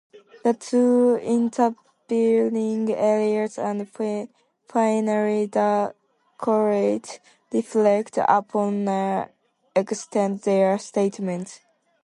The two intervening arias, and finally the chorale, reflect upon and extend their statements.